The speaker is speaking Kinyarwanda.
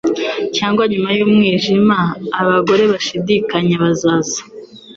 Cyangwa, nyuma y'umwijima, abagore bashidikanya bazaza